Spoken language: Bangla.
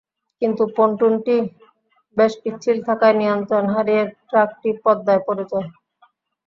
কিন্তু পন্টুনটি বেশ পিচ্ছিল থাকায় নিয়ন্ত্রণ হারিয়ে ট্রাকটি পদ্মায় পড়ে যায়।